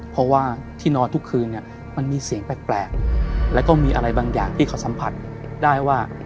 เพราะว่าที่นอนทุกคืนเนี่ยมันมีเสียงแปลกแล้วก็มีอะไรบางอย่างที่เขาสัมผัสได้ว่า